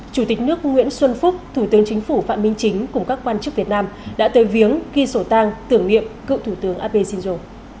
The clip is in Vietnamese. chủ tịch nước nguyễn xuân phúc thủ tướng chính phủ phạm minh chính cùng các quan chức việt nam đã tới viếng ghi sổ tăng tưởng niệm cựu thủ tướng abe shinzo